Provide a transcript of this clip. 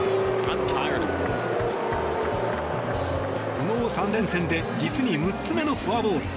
この３連戦で実に６つ目のフォアボール。